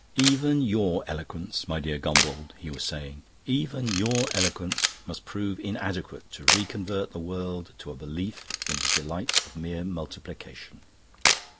"Even your eloquence, my dear Gombauld," he was saying "even your eloquence must prove inadequate to reconvert the world to a belief in the delights of mere multiplication.